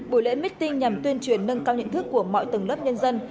buổi lễ meeting nhằm tuyên truyền nâng cao nhận thức của mọi tầng lớp nhân dân